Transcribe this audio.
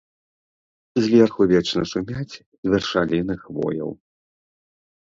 Зверху вечна шумяць вершаліны хвояў.